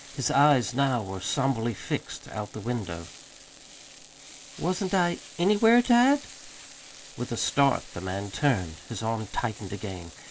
His eyes now were somberly fixed out the window. "Wasn't I anywhere, dad?" With a start the man turned. His arm tightened again.